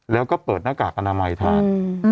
แล้วก็เปิดหน้ากากอนามัยทาน